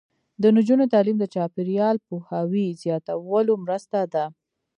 د نجونو تعلیم د چاپیریال پوهاوي زیاتولو مرسته ده.